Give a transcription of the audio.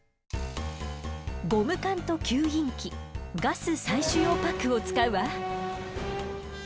ゴム管と吸引器ガス採取用パックを使うわ。